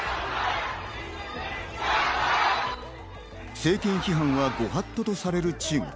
政権批判はご法度とされる中国。